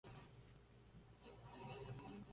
Posteriormente se retiró a su hacienda.